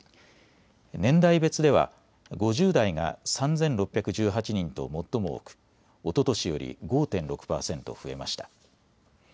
年代別では５０代が３６１８人と最も多く、おととしより５．６％増えました。